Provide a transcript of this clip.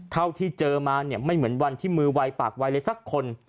เท่าที่เจอมาเนี่ยไม่เหมือนวันที่มือไวปากวัยเลยสักคน